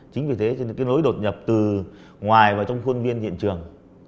chính vì thế cái lối đột nhập từ ngoài vào trong khuôn viên hiện trường